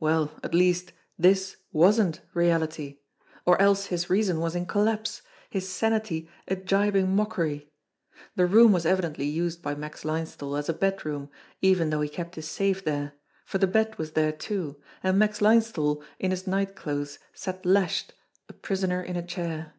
Well, at least, this wasn't reality or else his reason was in collapse, his sanity a gibing mockery. The room was evidently used by Max Linesthal as a bedroom, even though he kept his safe there, for the bed was there too, and Max Linesthal in his nightclothes sat lashed, a prisoner in a chair.